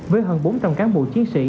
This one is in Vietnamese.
với hơn bốn trăm linh cán bộ chiến sĩ